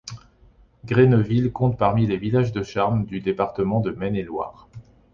Grez-Neuville compte parmi les villages de charme du département de Maine-et-Loire.